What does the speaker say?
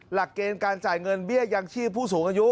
หลักเกณฑ์การจ่ายเงินเบี้ยยังชีพผู้สูงอายุ